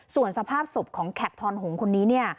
ส่วนสภาพศพของแขกทอนหงคนนี้เนี่ย